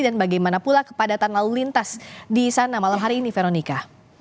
dan bagaimana pula kepadatan lalu lintas di sana malam hari ini veronica